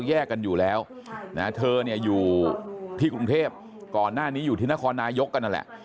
แยกกันอยู่แล้วนะเธอเนี่ยอยู่ที่กรุงเทพก่อนหน้านี้อยู่ที่นครนายกกันนั่นแหละ